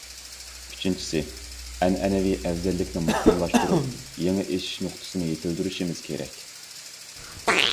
ئۈچىنچىسى، ئەنئەنىۋى ئەۋزەللىكنى مۇقىملاشتۇرۇپ، يېڭى ئېشىش نۇقتىسىنى يېتىلدۈرۈشىمىز كېرەك.